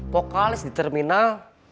vokalis di terminal